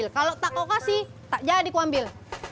kalau tak kau kasih tak jadi aku ambil